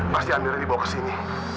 pasti amira dibawa kesini